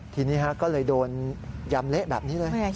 ทีนี้ก็เลยโดนยำเละแบบนี้เลย